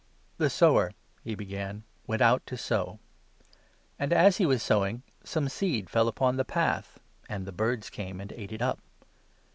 " The sower," he began, " went out to sow ; and, as he was 4 sowing, some seed fell along the path, and the birds came and ate it up.